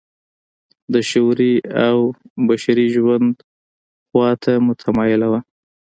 د شعوري او بشري ژوند خوا ته متمایله وه.